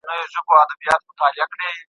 هغه کمپیوټر سرورونه په نړۍ کې پراته دي.